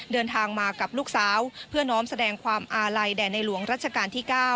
เดินทางมากับลูกสาวเพื่อน้อมแสดงความอาลัยแด่ในหลวงรัชกาลที่๙